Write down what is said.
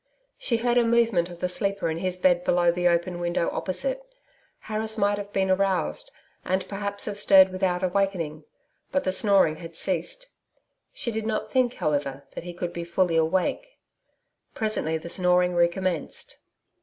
She heard a movement of the sleeper in his bed below the open window opposite. Harris might have been aroused, and perhaps have stirred without awakening.... But the snoring had ceased.... She did not think, however, that he could be fully awake.... Presently the snoring recommenced.